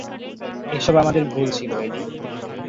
এসব আমাদের ভুল ছিল, এডি।